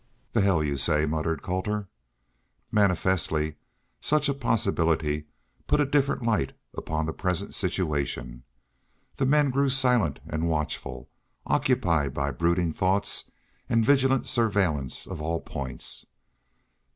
"The hell y'u say!" muttered Colter. Manifestly such a possibility put a different light upon the present situation. The men grew silent and watchful, occupied by brooding thoughts and vigilant surveillance of all points.